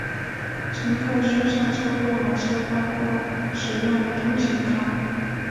乘客需上车购买车票或使用通勤卡。